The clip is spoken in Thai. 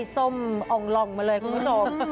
ส้มอ่องมาเลยคุณผู้ชม